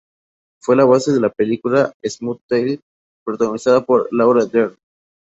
Fue la base para la película "Smooth Talk," protagonizada por Laura Dern.